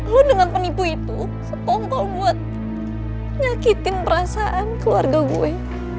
lu dengan penipu itu ongkol buat nyakitin perasaan keluarga gue